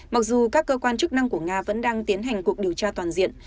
mặc dù các cơ quan chức năng của nga vẫn đang tiến hành cuộc điều tra toàn diện